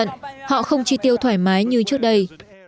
các khu chợ truyền thống rất cẩn thận họ không chi tiêu thoải mái như trước đây